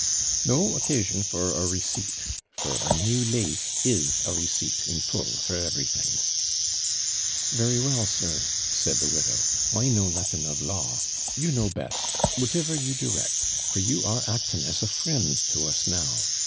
'No occasion for a receipt; for a new LASE is a receipt in full for everything.' 'Very well, sir, said the widow; 'I know nothing of law. You know best whatever you direct for you are acting as a friend to us now.